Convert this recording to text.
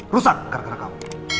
rusak karena kamu